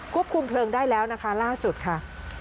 ควบคุมเพลิงได้แล้วนะคะล่าสุดค่ะ